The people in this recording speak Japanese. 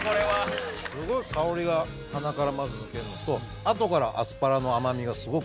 すごい香りが鼻からまず抜けるのとあとからアスパラの甘みがすごく追っかけてくるので。